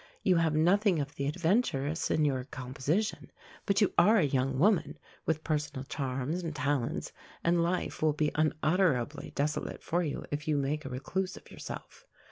You have nothing of the adventuress in your composition, but you are a young woman, with personal charms and talents, and life will be unutterably desolate for you if you make a recluse of yourself.